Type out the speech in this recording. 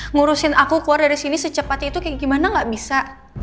ngurusin aku keluar dari sini secepat itu kayak gimana gak bisa